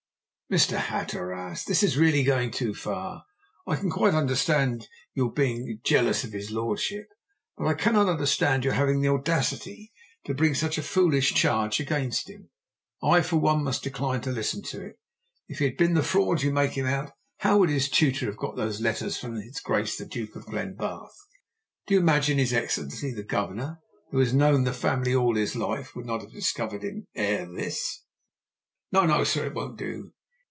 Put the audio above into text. "Mr. Hatteras, this is really going too far. I can quite understand your being jealous of his lordship, but I cannot understand your having the audacity to bring such a foolish charge against him. I, for one, must decline to listen to it. If he had been the fraud you make him out, how would his tutor have got those letters from his Grace the Duke of Glenbarth? Do you imagine his Excellency the Governor, who has known the family all his life, would not have discovered him ere this? No, no, sir! It won't do!